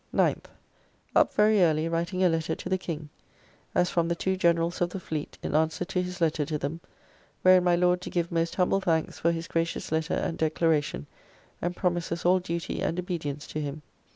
9th. Up very early, writing a letter to the King, as from the two Generals of the fleet, in answer to his letter to them, wherein my Lord do give most humble thanks for his gracious letter and declaration; and promises all duty and obedience to him.